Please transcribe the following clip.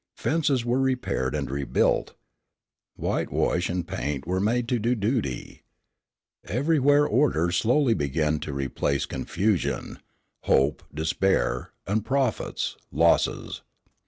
Fences were repaired and rebuilt. Whitewash and paint were made to do duty. Everywhere order slowly began to replace confusion; hope, despair; and profits, losses.